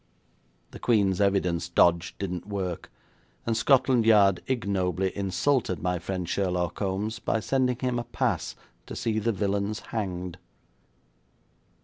The Queen's evidence dodge didn't work, and Scotland Yard ignobly insulted my friend Sherlaw Kombs by sending him a pass to see the villains hanged.